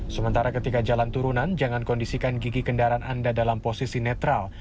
sementara ketika jalan turunan jangan kondisikan gigi kendaraan anda dalam posisi netral